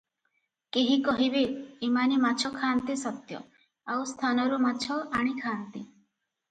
କେହି କହିବେ, ଏମାନେ ମାଛଖାଆନ୍ତି ସତ୍ୟ, ଆଉ ସ୍ଥାନରୁ ମାଛ ଆଣି ଖାଆନ୍ତି ।